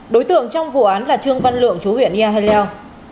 đối tượng trong vụ án là trương văn lượng chú huyện yà lèo